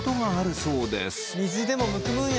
水でもむくむんや。